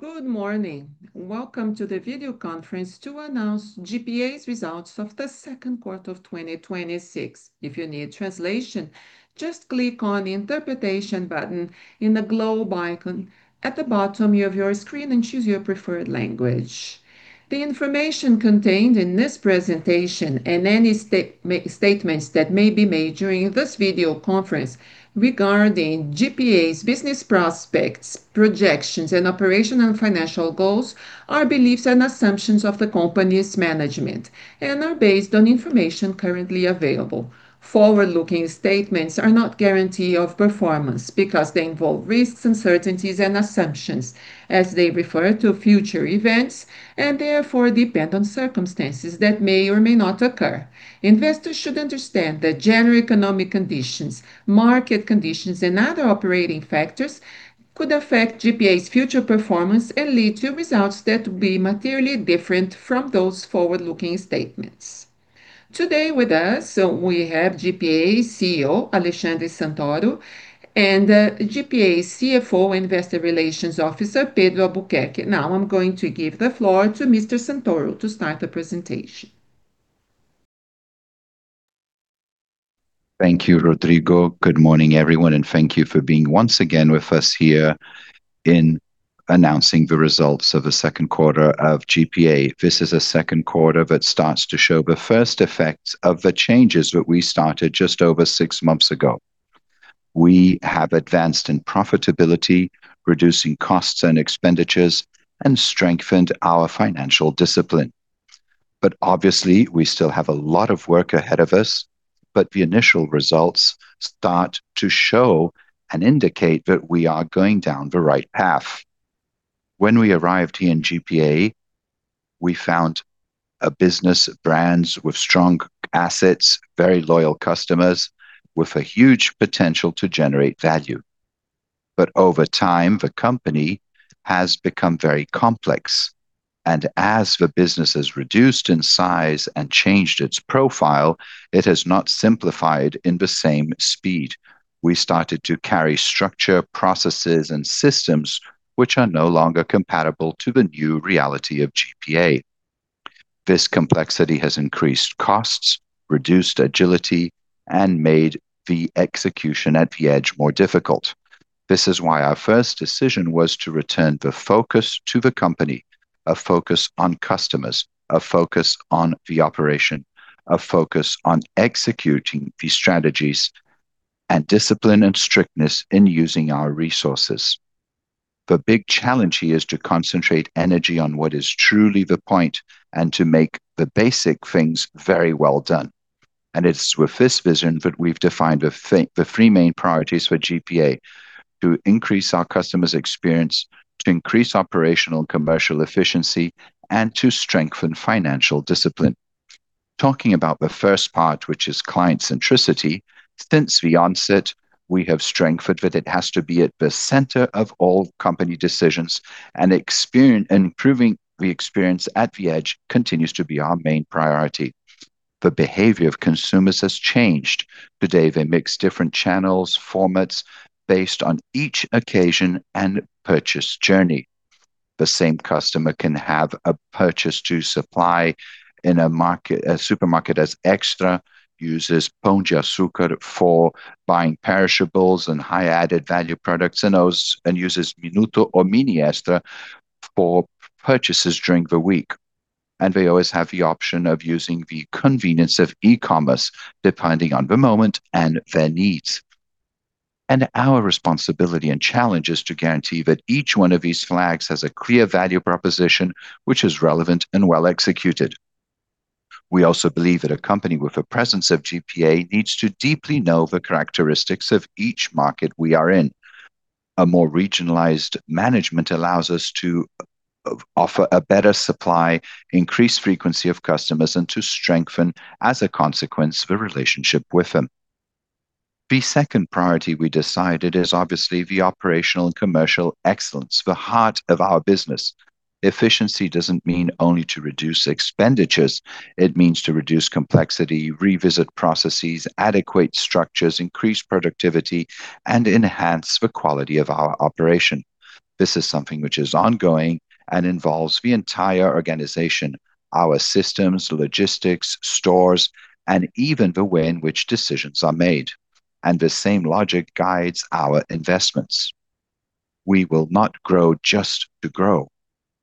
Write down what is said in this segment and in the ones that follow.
Good morning. Welcome to the video conference to announce GPA's results of the second quarter of 2026. If you need translation, just click on the interpretation button in the globe icon at the bottom of your screen, and choose your preferred language. The information contained in this presentation and any statements that may be made during this video conference regarding GPA's business prospects, projections, and operational and financial goals are beliefs and assumptions of the company's management and are based on information currently available. Forward-looking statements are not guarantee of performance because they involve risks, uncertainties, and assumptions as they refer to future events and therefore depend on circumstances that may or may not occur. Investors should understand that general economic conditions, market conditions, and other operating factors could affect GPA's future performance and lead to results that will be materially different from those forward-looking statements. Today with us, we have GPA's CEO, Alexandre Santoro, and GPA's CFO, Investor Relations Officer, Pedro Albuquerque. I'm going to give the floor to Mr. Santoro to start the presentation. Thank you, Rodrigo. Good morning, everyone, and thank you for being once again with us here in announcing the results of the second quarter of GPA. This is a second quarter that starts to show the first effects of the changes that we started just over six months ago. We have advanced in profitability, reducing costs and expenditures, and strengthened our financial discipline. Obviously, we still have a lot of work ahead of us, but the initial results start to show and indicate that we are going down the right path. When we arrived here in GPA, we found a business of brands with strong assets, very loyal customers, with a huge potential to generate value. Over time, the company has become very complex, and as the business has reduced in size and changed its profile, it has not simplified in the same speed. We started to carry structure, processes, and systems which are no longer compatible to the new reality of GPA. This complexity has increased costs, reduced agility, and made the execution at the edge more difficult. This is why our first decision was to return the focus to the company, a focus on customers, a focus on the operation, a focus on executing the strategies, and discipline and strictness in using our resources. The big challenge here is to concentrate energy on what is truly the point and to make the basic things very well done. It's with this vision that we've defined the three main priorities for GPA: to increase our customers' experience, to increase operational and commercial efficiency, and to strengthen financial discipline. Talking about the first part, which is client centricity, since the onset, we have strengthened that it has to be at the center of all company decisions and improving the experience at the edge continues to be our main priority. The behavior of consumers has changed. Today, they mix different channels, formats based on each occasion and purchase journey. The same customer can have a purchase to supply in a supermarket as Extra uses Pão de Açúcar for buying perishables and high added value products and uses Minuto or Mini Extra for purchases during the week. They always have the option of using the convenience of e-commerce, depending on the moment and their needs. Our responsibility and challenge is to guarantee that each one of these flags has a clear value proposition which is relevant and well-executed. We also believe that a company with a presence of GPA needs to deeply know the characteristics of each market we are in. A more regionalized management allows us to offer a better supply, increase frequency of customers, and to strengthen, as a consequence, the relationship with them. The second priority we decided is obviously the operational and commercial excellence, the heart of our business. Efficiency doesn't mean only to reduce expenditures. It means to reduce complexity, revisit processes, adequate structures, increase productivity, and enhance the quality of our operation. This is something which is ongoing and involves the entire organization, our systems, logistics, stores, and even the way in which decisions are made. The same logic guides our investments. We will not grow just to grow.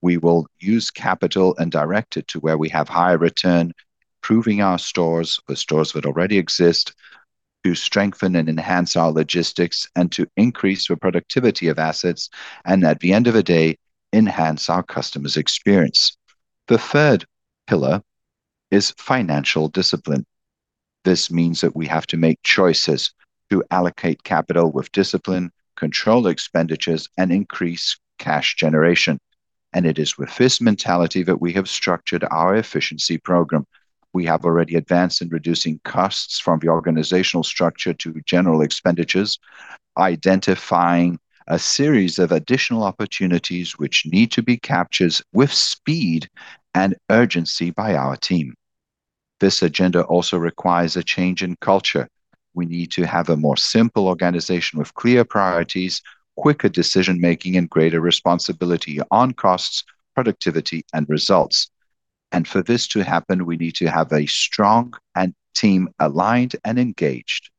We will use capital and direct it to where we have higher return, improving our stores, the stores that already exist, to strengthen and enhance our logistics and to increase the productivity of assets, and at the end of the day, enhance our customers' experience. The third pillar is financial discipline. This means that we have to make choices to allocate capital with discipline, control expenditures, and increase cash generation. It is with this mentality that we have structured our efficiency program. We have already advanced in reducing costs from the organizational structure to general expenditures, identifying a series of additional opportunities which need to be captured with speed and urgency by our team. This agenda also requires a change in culture. We need to have a more simple organization with clear priorities, quicker decision-making, and greater responsibility on costs, productivity, and results. For this to happen, we need to have a strong team, aligned and engaged.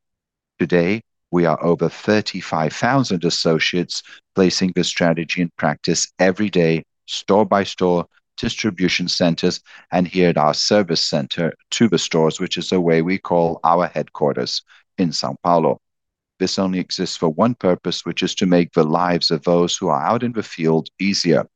Today, we are over 35,000 associates placing the strategy in practice every day, store by store, distribution centers, and here at our service center to the stores, which is the way we call our headquarters in São Paulo. This only exists for one purpose, which is to make the lives of those who are out in the field easier.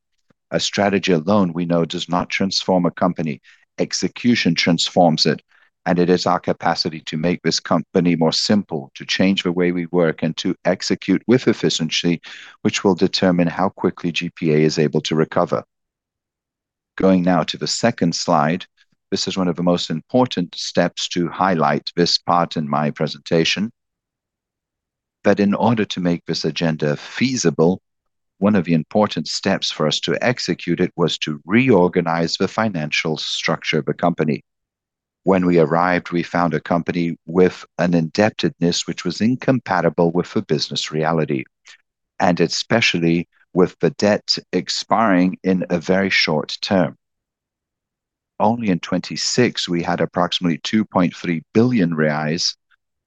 A strategy alone, we know, does not transform a company. Execution transforms it, and it is our capacity to make this company more simple, to change the way we work, and to execute with efficiency, which will determine how quickly GPA is able to recover. Going now to the second slide. This is one of the most important steps to highlight this part in my presentation. In order to make this agenda feasible, one of the important steps for us to execute it was to reorganize the financial structure of the company. When we arrived, we found a company with an indebtedness which was incompatible with the business reality, especially with the debt expiring in a very short term. Only in 2026, we had approximately 2.3 billion reais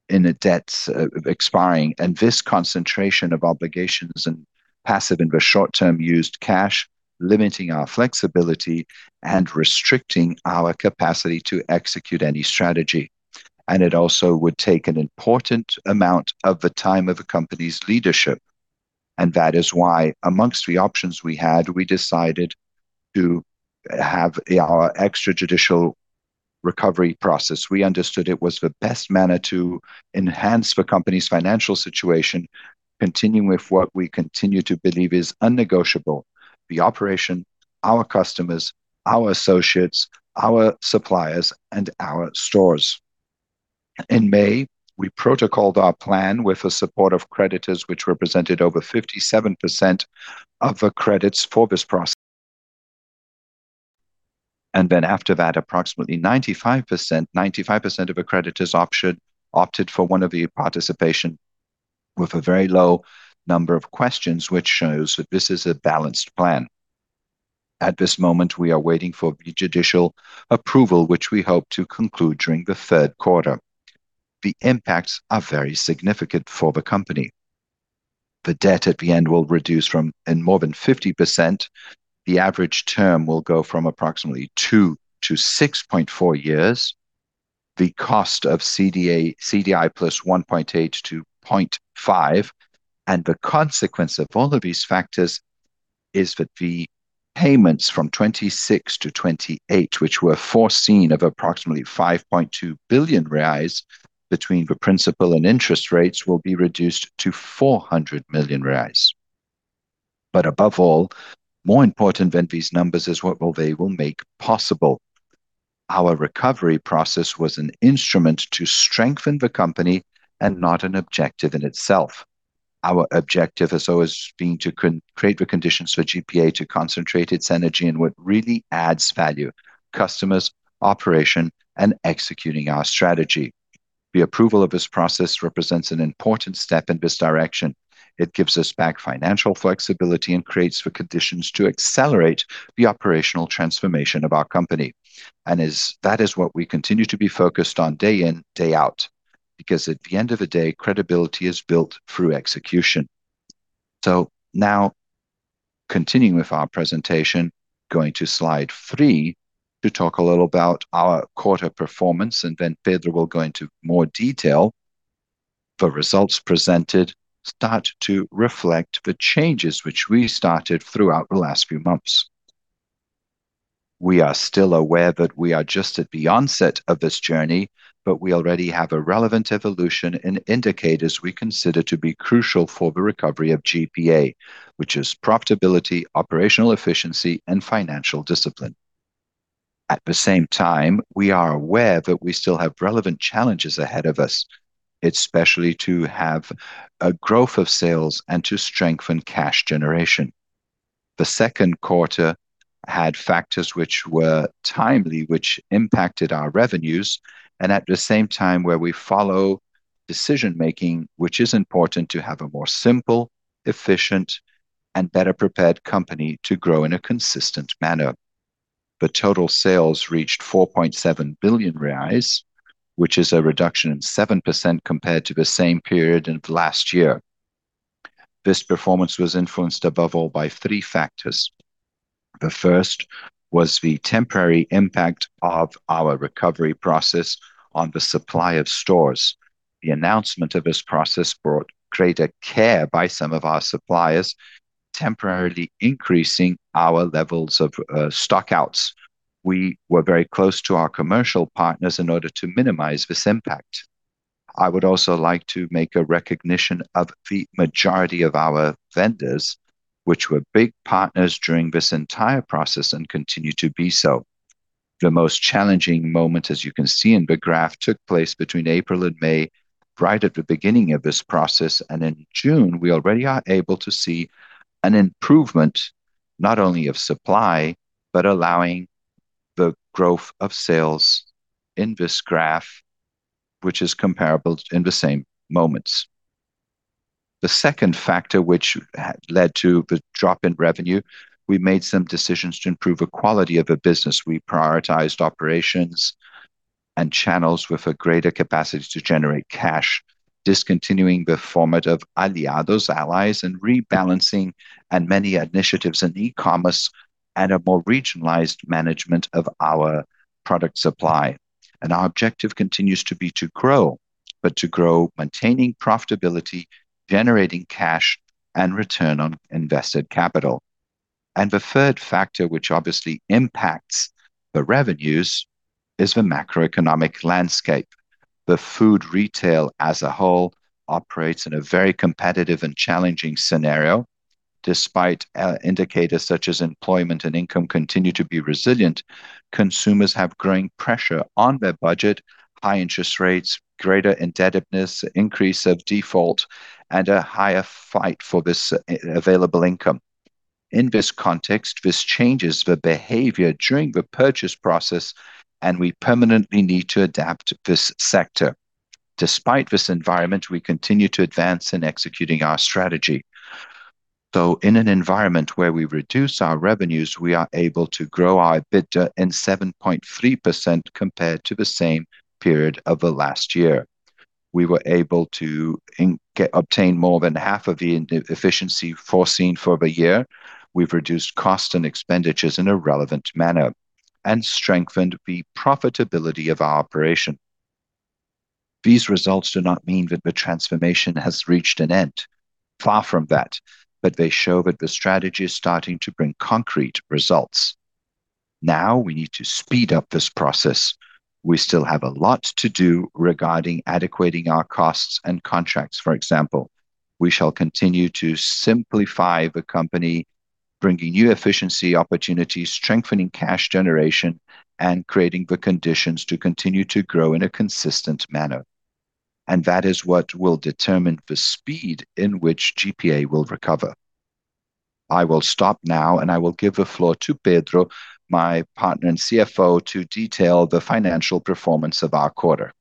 in a debt expiring. This concentration of obligations and passive in the short term used cash, limiting our flexibility and restricting our capacity to execute any strategy. It also would take an important amount of the time of a company's leadership. That is why amongst the options we had, we decided to have our extra-judicial recovery process. We understood it was the best manner to enhance the company's financial situation, continuing with what we continue to believe is unnegotiable: the operation, our customers, our associates, our suppliers, and our stores. In May, we protocoled our plan with the support of creditors, which represented over 57% of the credits for this process. After that, approximately 95% of the creditors opted for one of the participation with a very low number of questions, which shows that this is a balanced plan. At this moment, we are waiting for judicial approval, which we hope to conclude during the third quarter. The impacts are very significant for the company. The debt at the end will reduce in more than 50%. The average term will go from approximately 2 to 6.4 years. The cost of CDI plus 1.8% to 0.5%. The consequence of all of these factors is that the payments from 2026 to 2028, which were foreseen of approximately 5.2 billion reais between the principal and interest rates, will be reduced to 400 million reais. Above all, more important than these numbers is what they will make possible. Our recovery process was an instrument to strengthen the company and not an objective in itself. Our objective has always been to create the conditions for GPA to concentrate its energy in what really adds value: customers, operation, and executing our strategy. The approval of this process represents an important step in this direction. It gives us back financial flexibility and creates the conditions to accelerate the operational transformation of our company. That is what we continue to be focused on day in, day out, because at the end of the day, credibility is built through execution. Now continuing with our presentation, going to slide three to talk a little about our quarter performance, Pedro will go into more detail. The results presented start to reflect the changes which we started throughout the last few months. We are still aware that we are just at the onset of this journey, but we already have a relevant evolution in indicators we consider to be crucial for the recovery of GPA, which is profitability, operational efficiency, and financial discipline. At the same time, we are aware that we still have relevant challenges ahead of us, especially to have a growth of sales and to strengthen cash generation. The second quarter had factors which were timely, which impacted our revenues, and at the same time, where we follow decision-making, which is important to have a more simple, efficient, and better-prepared company to grow in a consistent manner. Total sales reached 4.7 billion reais, which is a reduction of 7% compared to the same period of last year. This performance was influenced above all by three factors. The first was the temporary impact of our recovery process on the supply of stores. The announcement of this process brought greater care by some of our suppliers, temporarily increasing our levels of stock-outs. We were very close to our commercial partners in order to minimize this impact. I would also like to make a recognition of the majority of our vendors, which were big partners during this entire process and continue to be so. The most challenging moment, as you can see in the graph, took place between April and May, right at the beginning of this process. In June, we already are able to see an improvement. Not only of supply, but allowing the growth of sales in this graph, which is comparable in the same moments. The second factor which led to the drop in revenue, we made some decisions to improve the quality of the business. We prioritized operations and channels with a greater capacity to generate cash, discontinuing the format of Aliados, allies, and rebalancing, and many initiatives in e-commerce and a more regionalized management of our product supply. Our objective continues to be to grow, but to grow maintaining profitability, generating cash, and return on invested capital. The third factor, which obviously impacts the revenues, is the macroeconomic landscape. The food retail as a whole operates in a very competitive and challenging scenario. Despite indicators such as employment and income continue to be resilient, consumers have growing pressure on their budget, high interest rates, greater indebtedness, increase of default, and a higher fight for this available income. In this context, this changes the behavior during the purchase process, and we permanently need to adapt this sector. Despite this environment, we continue to advance in executing our strategy. Though in an environment where we reduce our revenues, we are able to grow our EBITDA in 7.3% compared to the same period of the last year. We were able to obtain more than half of the efficiency foreseen for the year. We've reduced cost and expenditures in a relevant manner and strengthened the profitability of our operation. These results do not mean that the transformation has reached an end. Far from that. They show that the strategy is starting to bring concrete results. Now we need to speed up this process. We still have a lot to do regarding adequately our costs and contracts, for example. We shall continue to simplify the company, bringing new efficiency opportunities, strengthening cash generation, and creating the conditions to continue to grow in a consistent manner. That is what will determine the speed in which GPA will recover. I will stop now, and I will give the floor to Pedro, my partner and CFO, to detail the financial performance of our quarter.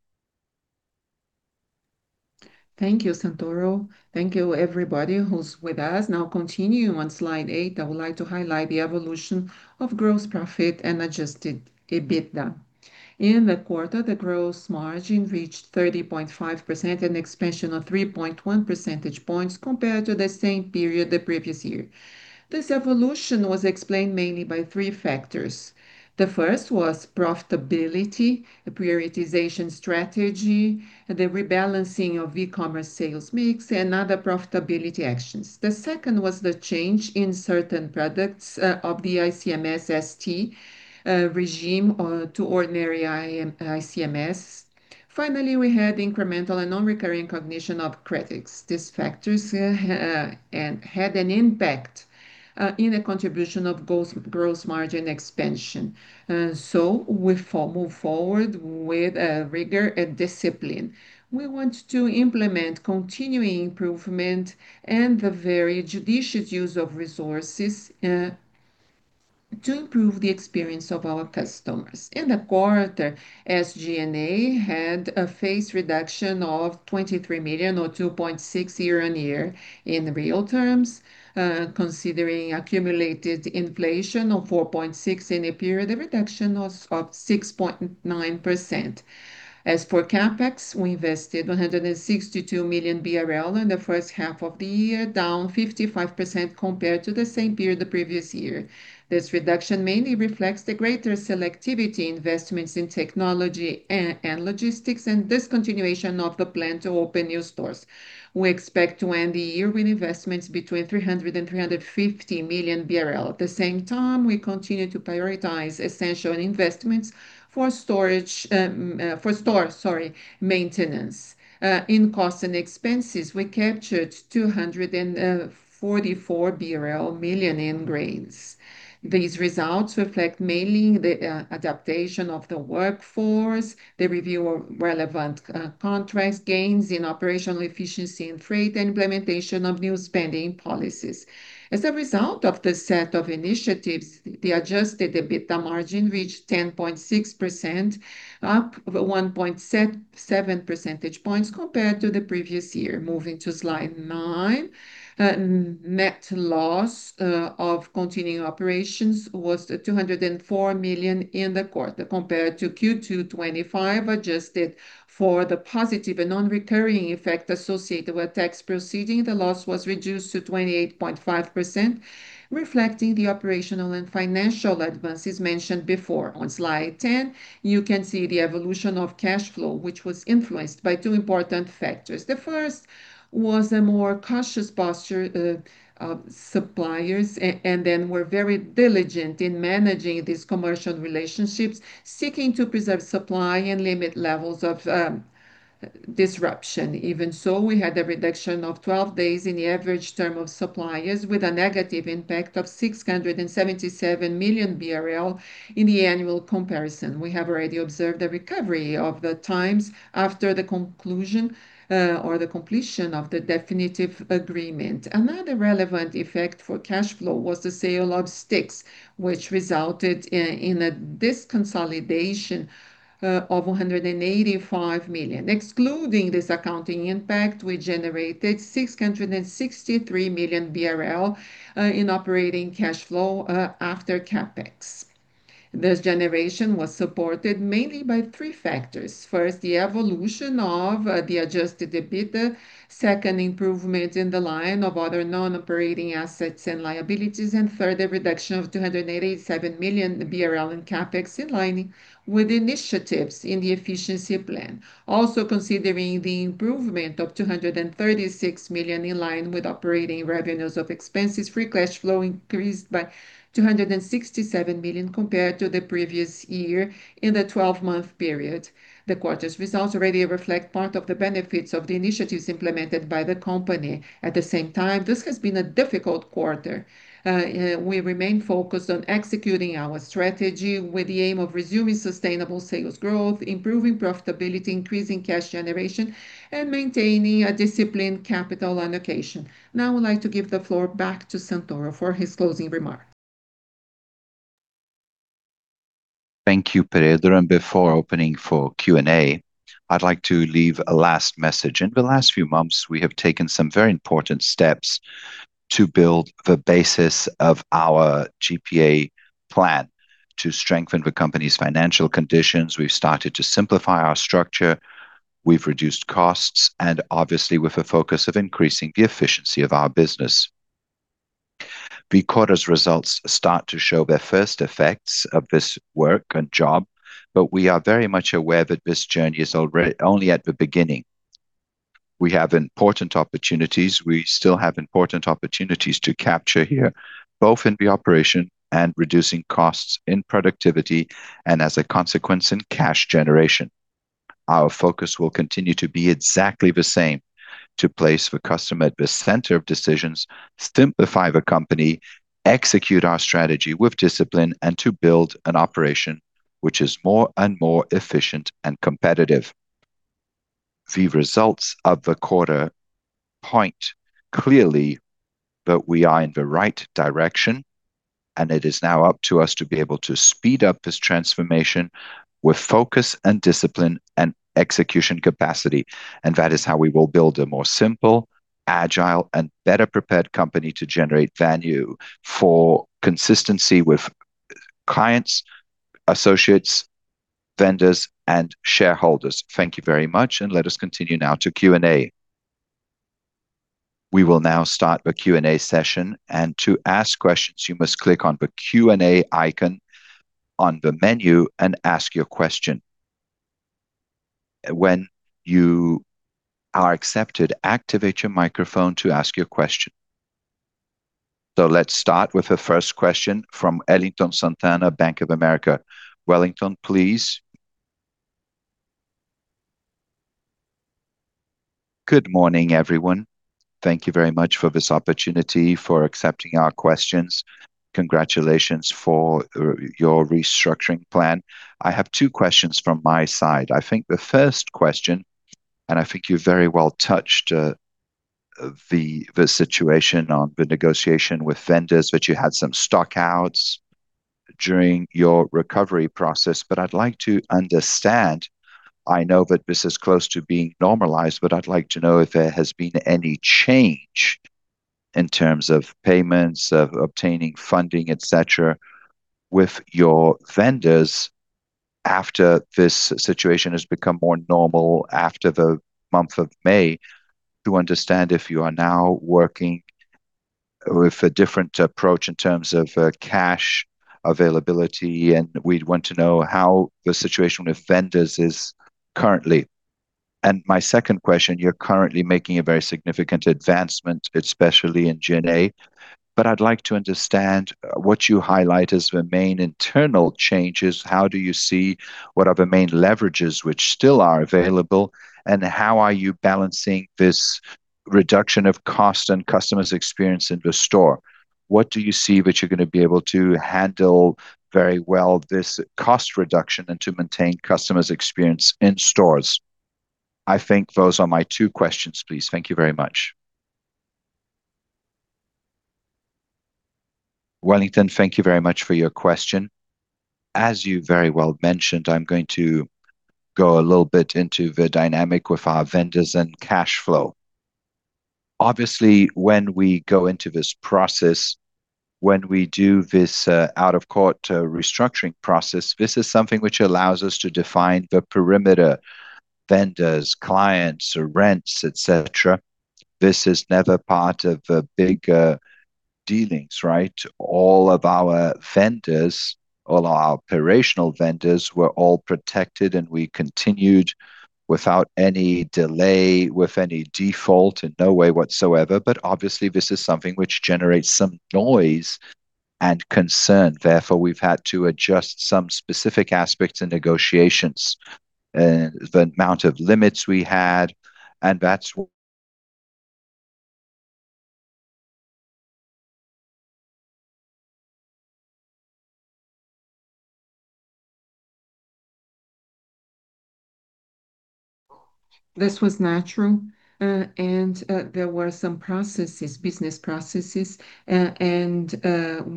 Thank you, Santoro. Thank you, everybody who's with us. Continuing on slide eight, I would like to highlight the evolution of gross profit and adjusted EBITDA. In the quarter, the gross margin reached 30.5%, an expansion of 3.1 percentage points compared to the same period the previous year. This evolution was explained mainly by three factors. The first was profitability, the prioritization strategy, the rebalancing of e-commerce sales mix, and other profitability actions. The second was the change in certain products of the ICMS-ST regime to ordinary ICMS. Finally, we had incremental and non-recurring recognition of credits. These factors had an impact in the contribution of gross margin expansion. We move forward with rigor and discipline. We want to implement continuing improvement and the very judicious use of resources to improve the experience of our customers. In the quarter, SG&A had a phase reduction of 23 million or 2.6% year-on-year in real terms. Considering accumulated inflation of 4.6% in the period, the reduction was of 6.9%. As for CapEx, we invested 162 million BRL in the first half of the year, down 55% compared to the same period the previous year. This reduction mainly reflects the greater selectivity investments in technology and logistics and discontinuation of the plan to open new stores. We expect to end the year with investments between 300 million and 350 million BRL. At the same time, we continue to prioritize essential investments for store maintenance. In costs and expenses, we captured 244 million BRL in gains. These results reflect mainly the adaptation of the workforce, the review of relevant contracts, gains in operational efficiency and freight, and implementation of new spending policies. As a result of this set of initiatives, the adjusted EBITDA margin reached 10.6%, up 1.7 percentage points compared to the previous year. Moving to slide nine. Net loss of continuing operations was 204 million in the quarter compared to Q2 2025. Adjusted for the positive and non-recurring effect associated with tax proceeding, the loss was reduced to 28.5%, reflecting the operational and financial advances mentioned before. On slide 10, you can see the evolution of cash flow, which was influenced by two important factors. The first was a more cautious posture of suppliers, we're very diligent in managing these commercial relationships, seeking to preserve supply and limit levels of disruption. Even so, we had a reduction of 12 days in the average term of suppliers with a negative impact of 677 million BRL in the annual comparison. We have already observed a recovery of the terms after the conclusion or the completion of the definitive agreement. Another relevant effect for cash flow was the sale of Stix, which resulted in a disconsolidation of 185 million. Excluding this accounting impact, we generated 663 million BRL in operating cash flow after CapEx. This generation was supported mainly by three factors. First, the evolution of the adjusted EBITDA. Second, improvement in the line of other non-operating assets and liabilities. Third, the reduction of 287 million BRL in CapEx in line with initiatives in the efficiency plan. Also considering the improvement of 236 million in line with operating revenues and expenses, free cash flow increased by 267 million compared to the previous year in the 12-month period. The quarter's results already reflect part of the benefits of the initiatives implemented by the company. At the same time, this has been a difficult quarter. We remain focused on executing our strategy with the aim of resuming sustainable sales growth, improving profitability, increasing cash generation, and maintaining a disciplined capital allocation. Now I would like to give the floor back to Santoro for his closing remarks. Thank you, Pedro. Before opening for Q&A, I'd like to leave a last message. In the last few months, we have taken some very important steps to build the basis of our GPA plan to strengthen the company's financial conditions. We've started to simplify our structure. We've reduced costs and obviously with a focus of increasing the efficiency of our business. The quarter's results start to show their first effects of this work and job, but we are very much aware that this journey is only at the beginning. We have important opportunities. We still have important opportunities to capture here, both in the operation and reducing costs in productivity, and as a consequence, in cash generation. Our focus will continue to be exactly the same, to place the customer at the center of decisions, simplify the company, execute our strategy with discipline, and to build an operation which is more and more efficient and competitive. The results of the quarter point clearly that we are in the right direction, and it is now up to us to be able to speed up this transformation with focus and discipline and execution capacity. That is how we will build a more simple, agile, and better-prepared company to generate value for consistency with clients, associates, vendors, and shareholders. Thank you very much, and let us continue now to Q&A. We will now start the Q&A session. To ask questions, you must click on the Q&A icon on the menu and ask your question. When you are accepted, activate your microphone to ask your question. Let's start with the first question from Wellington Santana, Bank of America. Wellington, please. Good morning, everyone. Thank you very much for this opportunity, for accepting our questions. Congratulations for your restructuring plan. I have two questions from my side. I think the first question, and I think you very well touched the situation on the negotiation with vendors that you had some stock outs during your recovery process. I'd like to understand, I know that this is close to being normalized, but I'd like to know if there has been any change in terms of payments, of obtaining funding, et cetera, with your vendors after this situation has become more normal after the month of May, to understand if you are now working with a different approach in terms of cash availability. We'd want to know how the situation with vendors is currently. My second question, you're currently making a very significant advancement, especially in [GA]. I'd like to understand what you highlight as the main internal changes. How do you see what are the main leverages which still are available, how are you balancing this reduction of cost and customers' experience in the store? What do you see that you're going to be able to handle very well this cost reduction and to maintain customers' experience in stores? I think those are my two questions, please. Thank you very much. Wellington, thank you very much for your question. As you very well mentioned, I'm going to go a little bit into the dynamic with our vendors and cash flow. Obviously, when we go into this process, when we do this out-of-court restructuring process, this is something which allows us to define the perimeter, vendors, clients, rents, et cetera. This is never part of the big dealings, right? All of our vendors, all our operational vendors were all protected, we continued without any delay, with any default, in no way whatsoever. Obviously this is something which generates some noise and concern. Therefore, we've had to adjust some specific aspects in negotiations, the amount of limits we had. This was natural, there were some business processes, and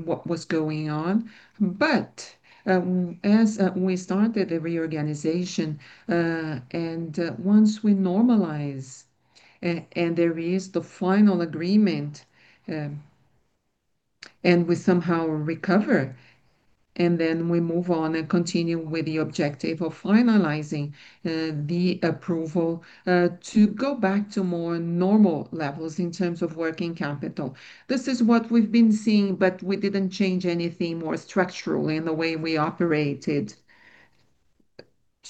what was going on. As we started the reorganization, once we normalize, there is the final agreement, we somehow recover, we move on, continue with the objective of finalizing the approval to go back to more normal levels in terms of working capital. This is what we've been seeing, we didn't change anything more structural in the way we operated.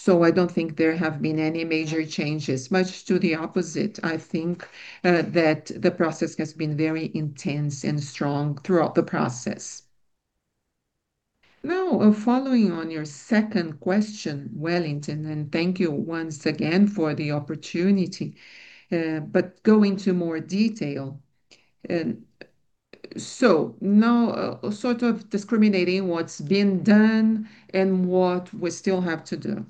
I don't think there have been any major changes. Much to the opposite, I think that the process has been very intense and strong throughout the process. Following on your second question, Wellington, thank you once again for the opportunity, go into more detail. Sort of discriminating what's been done and what we still have to do.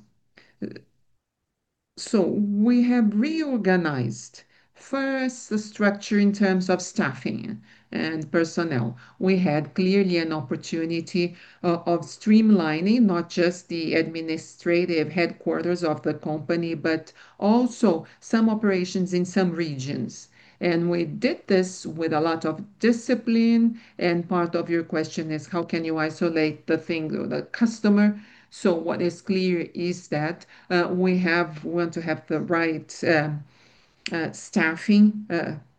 We have reorganized, first, the structure in terms of staffing and personnel. We had clearly an opportunity of streamlining not just the administrative headquarters of the company, but also some operations in some regions. We did this with a lot of discipline. Part of your question is how can you isolate the thing, the customer? What is clear is that we want to have the right staffing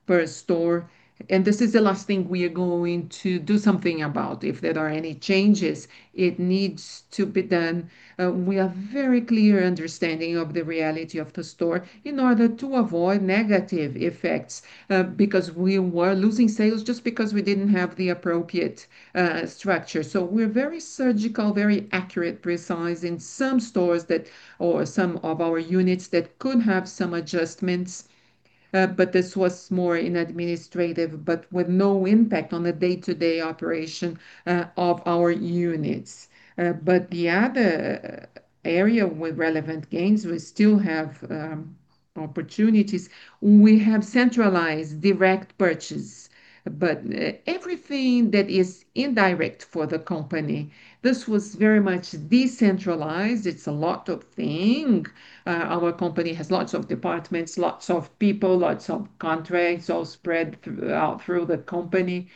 per store, this is the last thing we are going to do something about. If there are any changes, it needs to be done. We have very clear understanding of the reality of the store in order to avoid negative effects, because we were losing sales just because we didn't have the appropriate structure. We're very surgical, very accurate, precise in some stores that, or some of our units that could have some adjustments. This was more in administrative, but with no impact on the day-to-day operation of our units. The other area with relevant gains, we still have opportunities. We have centralized direct purchase, but everything that is indirect for the company, this was very much decentralized. It's a lot of thing. Our company has lots of departments, lots of people, lots of contracts, all spread out through the company.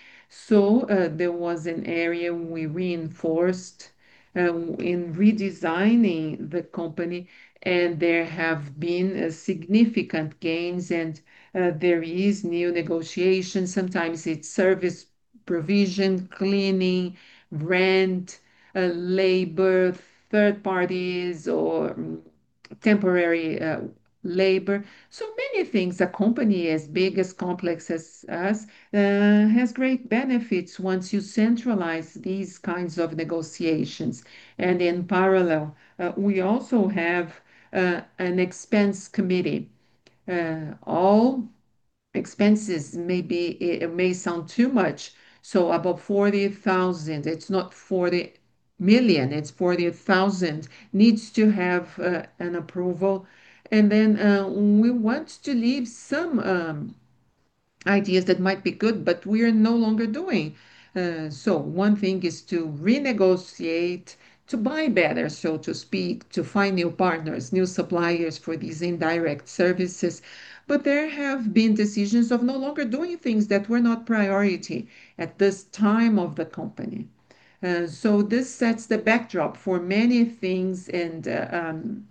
There was an area we reinforced in redesigning the company, and there have been significant gains, and there is new negotiations. Sometimes it's service provision, cleaning, rent, labor, third parties, or temporary labor. Many things. A company as big, as complex as us, has great benefits once you centralize these kinds of negotiations. In parallel, we also have an expense committee. All expenses, it may sound too much. Above 40,000, it's not 40 million, it's 40,000, needs to have an approval. We want to leave some ideas that might be good, but we are no longer doing. One thing is to renegotiate, to buy better, so to speak, to find new partners, new suppliers for these indirect services. There have been decisions of no longer doing things that were not priority at this time of the company. This sets the backdrop for many things, and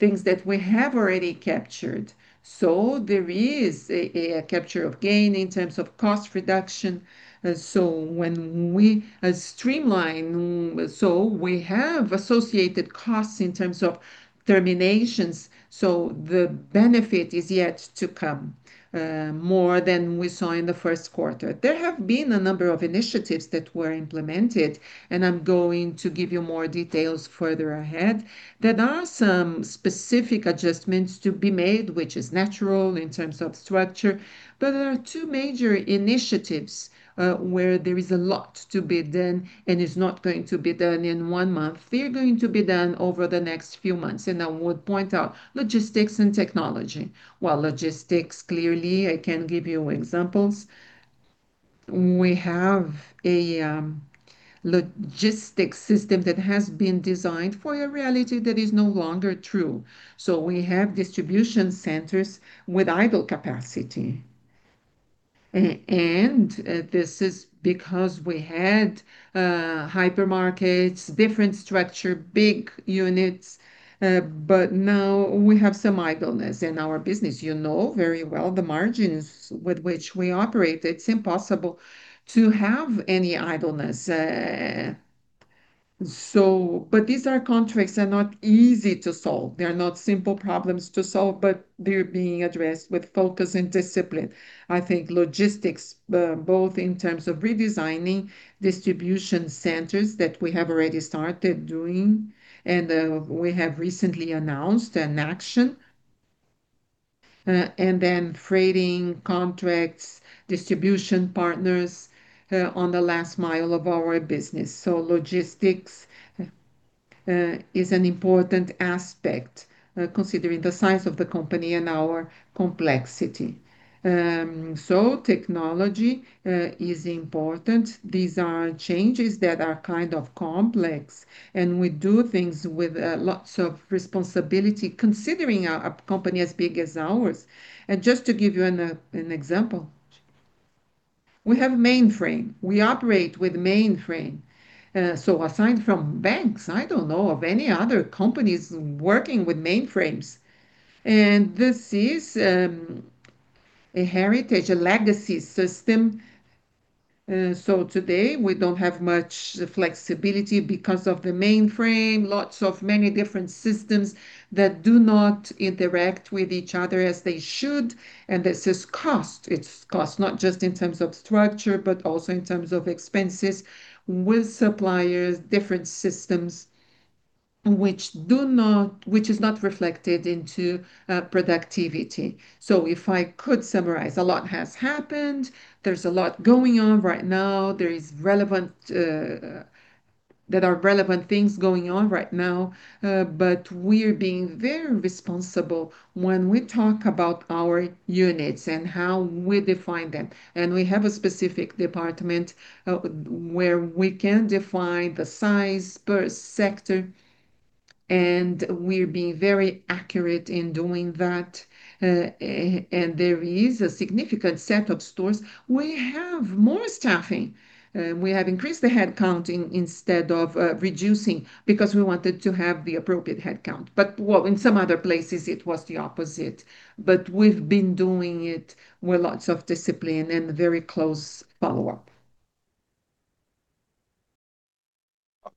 things that we have already captured. There is a capture of gain in terms of cost reduction. When we streamline, we have associated costs in terms of terminations, the benefit is yet to come, more than we saw in the first quarter. There have been a number of initiatives that were implemented, and I'm going to give you more details further ahead. There are some specific adjustments to be made, which is natural in terms of structure, but there are two major initiatives where there is a lot to be done, and it's not going to be done in one month. They're going to be done over the next few months. I would point out logistics and technology. While logistics, clearly I can give you examples. We have a logistics system that has been designed for a reality that is no longer true. We have distribution centers with idle capacity. This is because we had hypermarkets, different structure, big units, but now we have some idleness in our business. You know very well the margins with which we operate. It's impossible to have any idleness. These are contracts are not easy to solve. They are not simple problems to solve, but they're being addressed with focus and discipline. I think logistics, both in terms of redesigning distribution centers that we have already started doing, and we have recently announced an action. Freighting contracts, distribution partners on the last mile of our business. Logistics is an important aspect considering the size of the company and our complexity Technology is important. These are changes that are kind of complex, and we do things with lots of responsibility, considering a company as big as ours. Just to give you an example, we have mainframe. We operate with mainframe. Aside from banks, I don't know of any other companies working with mainframes. This is a heritage, a legacy system. Today, we don't have much flexibility because of the mainframe. Lots of many different systems that do not interact with each other as they should, and this is cost. It's cost, not just in terms of structure, but also in terms of expenses with suppliers, different systems, which is not reflected into productivity. If I could summarize, a lot has happened. There's a lot going on right now. There are relevant things going on right now. We're being very responsible when we talk about our units and how we define them. We have a specific department where we can define the size per sector, and we're being very accurate in doing that. There is a significant set of stores. We have more staffing. We have increased the headcount instead of reducing, because we wanted to have the appropriate headcount. Well, in some other places, it was the opposite. We've been doing it with lots of discipline and very close follow-up.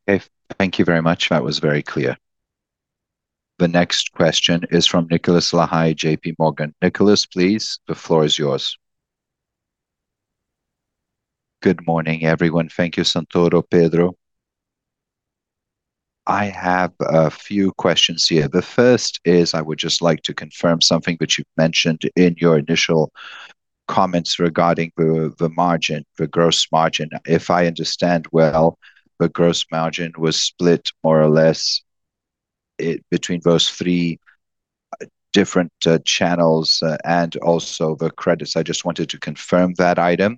Okay. Thank you very much. That was very clear. The next question is from Nicolás Larrain, JPMorgan. Nicolás, please, the floor is yours. Good morning, everyone. Thank you, Santoro, Pedro. I have a few questions here. The first is, I would just like to confirm something that you've mentioned in your initial comments regarding the margin, the gross margin. If I understand well, the gross margin was split more or less between those three different channels and also the credits. I just wanted to confirm that item.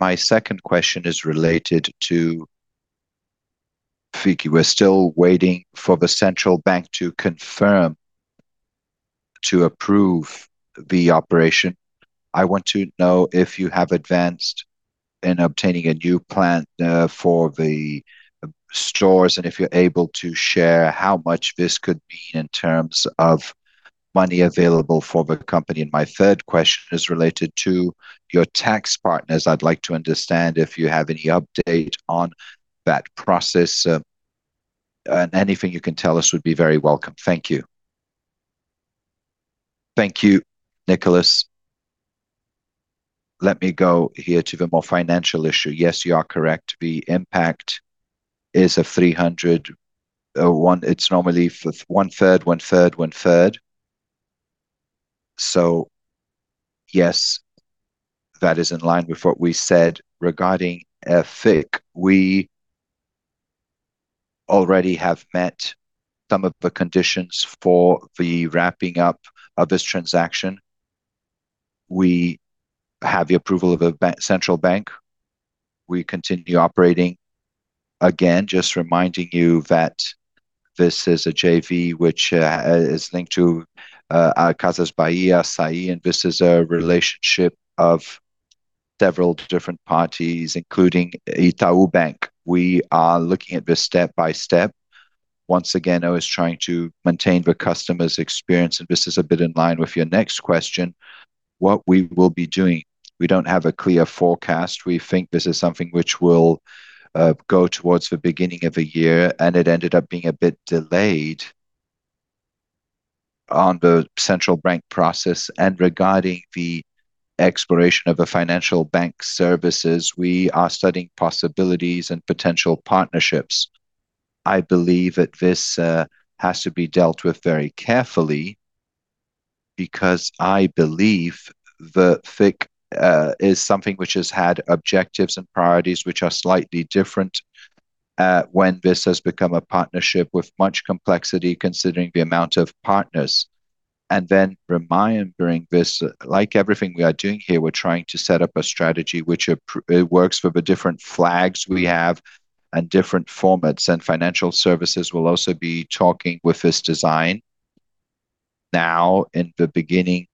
My second question is related to FIC. We're still waiting for the central bank to confirm to approve the operation. I want to know if you have advanced in obtaining a new plan for the stores, and if you're able to share how much this could be in terms of money available for the company. My third question is related to your tax partners. I'd like to understand if you have any update on that process. Anything you can tell us would be very welcome. Thank you. Thank you, Nicolás. Let me go here to the more financial issue. Yes, you are correct. The impact is a 300, or one. It's normally one-third, one-third, one-third. Yes, that is in line with what we said. Regarding FIC, we already have met some of the conditions for the wrapping up of this transaction. We have the approval of a central bank. We continue operating. Again, just reminding you that this is a JV which is linked to our Casas Bahia, Assaí, and this is a relationship of several different parties, including Itaú Bank. We are looking at this step-by-step. Once again, I was trying to maintain the customer's experience, and this is a bit in line with your next question. What we will be doing, we don't have a clear forecast. We think this is something which will go towards the beginning of the year, and it ended up being a bit delayed on the central bank process. Regarding the exploration of the financial bank services, we are studying possibilities and potential partnerships. I believe that this has to be dealt with very carefully because I believe that FIC is something which has had objectives and priorities which are slightly different, when this has become a partnership with much complexity considering the amount of partners. Remembering this, like everything we are doing here, we're trying to set up a strategy which works for the different flags we have and different formats. Financial services will also be talking with this design. In the beginning,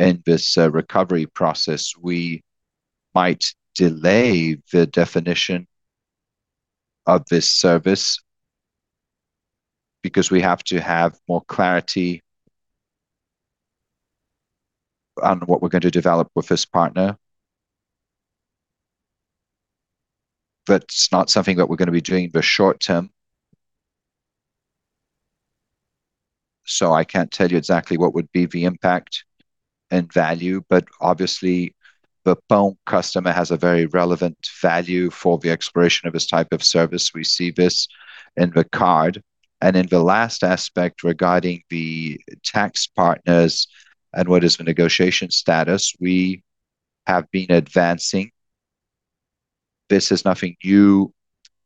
in this recovery process, we might delay the definition of this service because we have to have more clarity on what we're going to develop with this partner. That's not something that we're going to be doing for short term. I can't tell you exactly what would be the impact and value, but obviously the phone customer has a very relevant value for the exploration of this type of service. We see this in the card. In the last aspect regarding the tax partners and what is the negotiation status, we have been advancing. This is nothing new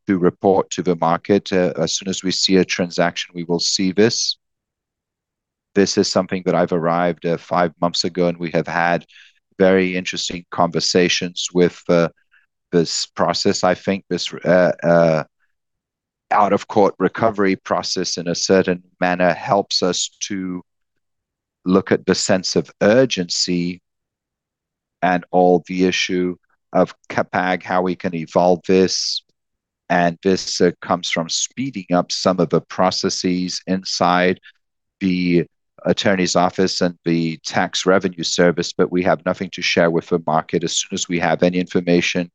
to report to the market. As soon as we see a transaction, we will see this. This is something that I've arrived at five months ago, and we have had very interesting conversations with this process. I think this out-of-court recovery process, in a certain manner, helps us to look at the sense of urgency and all the issue of CapEx, how we can evolve this. This comes from speeding up some of the processes inside the attorney's office and the tax revenue service, but we have nothing to share with the market. As soon as we have any information,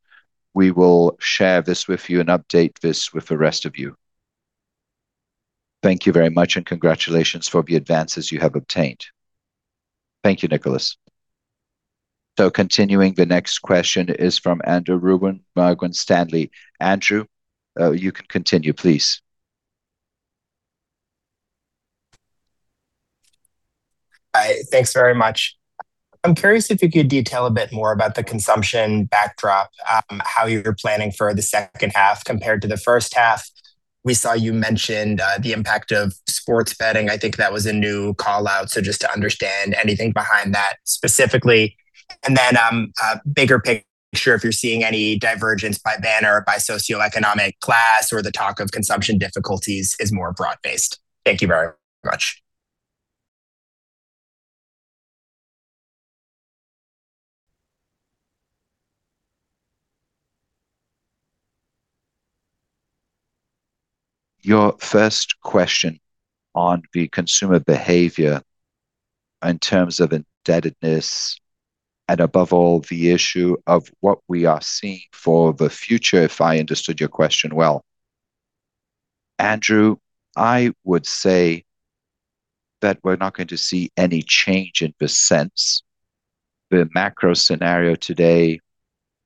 we will share this with you and update this with the rest of you. Thank you very much, and congratulations for the advances you have obtained. Thank you, Nicolás. Continuing, the next question is from Andrew Ruben, Morgan Stanley. Andrew, you can continue, please. Hi. Thanks very much. I'm curious if you could detail a bit more about the consumption backdrop, how you're planning for the second half compared to the first half. We saw you mentioned the impact of sports betting. I think that was a new call-out, just to understand anything behind that specifically. Then, bigger picture, if you're seeing any divergence by banner, by socioeconomic class, or the talk of consumption difficulties is more broad-based. Thank you very much. Your first question on the consumer behavior in terms of indebtedness and, above all, the issue of what we are seeing for the future, if I understood your question well. Andrew, I would say that we're not going to see any change in the sense. The macro scenario today,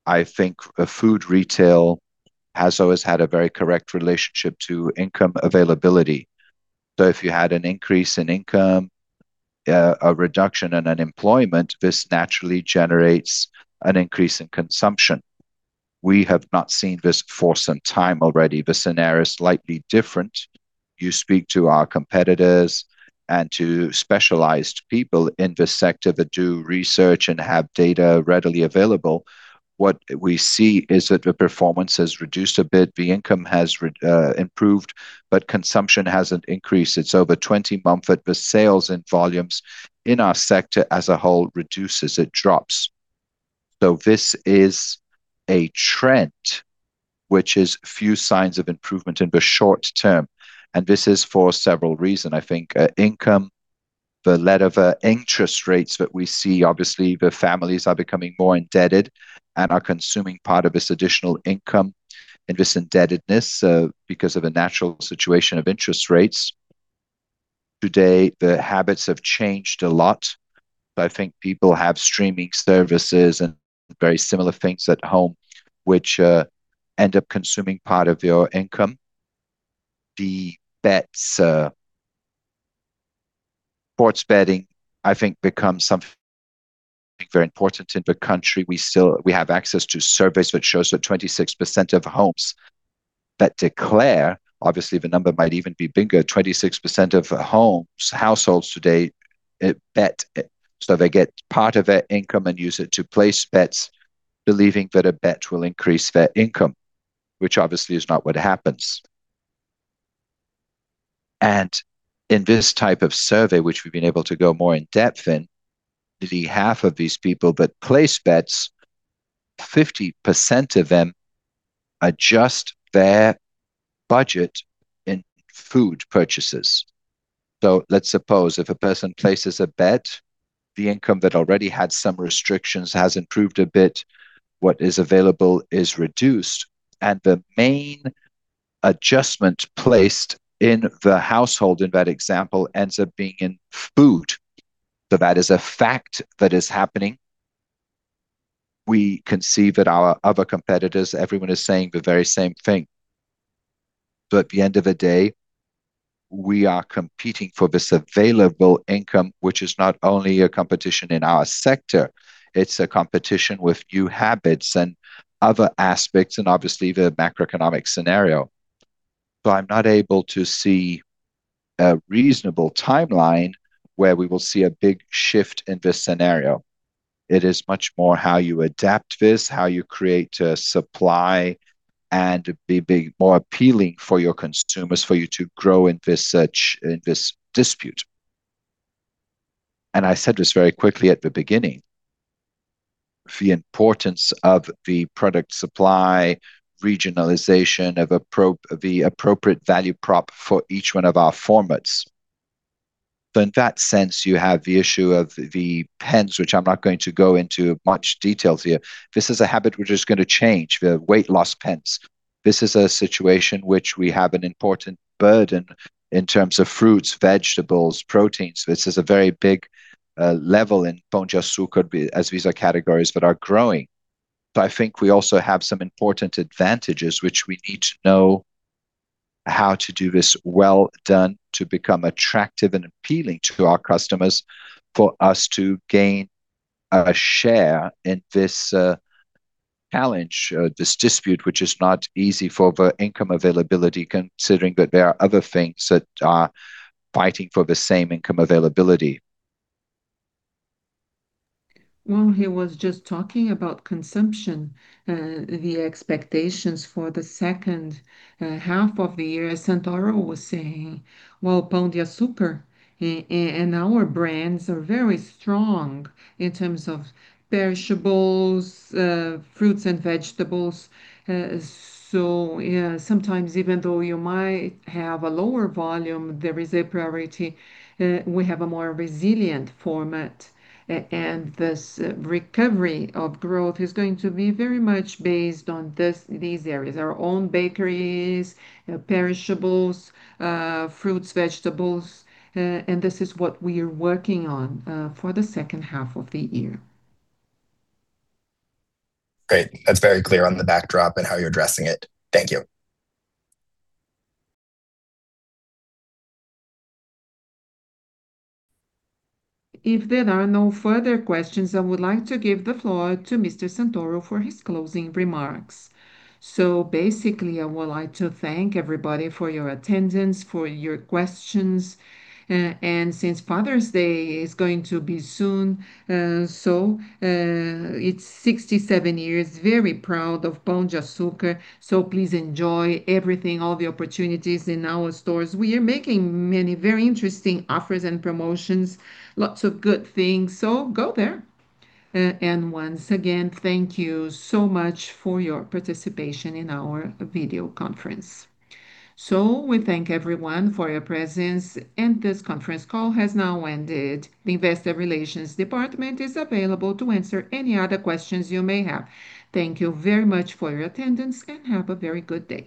I think food retail has always had a very correct relationship to income availability. If you had an increase in income, a reduction in unemployment, this naturally generates an increase in consumption. We have not seen this for some time already. The scenario is slightly different. You speak to our competitors and to specialized people in this sector that do research and have data readily available. What we see is that the performance has reduced a bit, the income has improved, but consumption hasn't increased. It's over 20 months that the sales and volumes in our sector as a whole reduce. It drops. This is a trend which has few signs of improvement in the short term, and this is for several reasons. I think income, the level of interest rates that we see, obviously, the families are becoming more indebted and are consuming part of this additional income and this indebtedness because of a natural situation of interest rates. Today, the habits have changed a lot. I think people have streaming services and very similar things at home which end up consuming part of your income. The bets. Sports betting, I think, becomes something very important in the country. We have access to surveys which show that 26% of homes that declare, obviously, the number might even be bigger, 26% of households today bet. They get part of their income and use it to place bets, believing that a bet will increase their income, which obviously is not what happens. In this type of survey, which we've been able to go more in depth in, the half of these people that place bets, 50% of them adjust their budget in food purchases. Let's suppose if a person places a bet, the income that already had some restrictions has improved a bit, what is available is reduced, and the main adjustment placed in the household in that example ends up being in food. That is a fact that is happening. We can see that our other competitors, everyone is saying the very same thing. At the end of the day, we are competing for this available income, which is not only a competition in our sector, it's a competition with new habits and other aspects and obviously the macroeconomic scenario. I'm not able to see a reasonable timeline where we will see a big shift in this scenario. It is much more how you adapt this, how you create supply, and be more appealing for your consumers for you to grow in this dispute. I said this very quickly at the beginning, the importance of the product supply, regionalization of the appropriate value prop for each one of our formats. In that sense, you have the issue of the pens, which I'm not going to go into much details here. This is a habit which is going to change, the weight loss pens. This is a situation which we have an important burden in terms of fruits, vegetables, proteins. This is a very big level in Pão de Açúcar, as these are categories that are growing. I think we also have some important advantages which we need to know how to do this well done to become attractive and appealing to our customers, for us to gain a share in this challenge, this dispute, which is not easy for the income availability, considering that there are other things that are fighting for the same income availability. Well, he was just talking about consumption, the expectations for the second half of the year. Santoro was saying, well, Pão de Açúcar and our brands are very strong in terms of perishables, fruits and vegetables. Yeah, sometimes even though you might have a lower volume, there is a priority. We have a more resilient format, and this recovery of growth is going to be very much based on these areas, our own bakeries, perishables, fruits, vegetables. This is what we are working on for the second half of the year. Great. That's very clear on the backdrop and how you're addressing it. Thank you. If there are no further questions, I would like to give the floor to Mr. Santoro for his closing remarks. Basically, I would like to thank everybody for your attendance, for your questions. Since Father's Day is going to be soon, it's 67 years, very proud of Pão de Açúcar. Please enjoy everything, all the opportunities in our stores. We are making many very interesting offers and promotions, lots of good things. Go there. Once again, thank you so much for your participation in our video conference. We thank everyone for your presence and this conference call has now ended. The Investor Relations Department is available to answer any other questions you may have. Thank you very much for your attendance, and have a very good day.